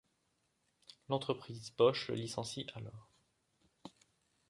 L’entreprise Bosch le licencie alors.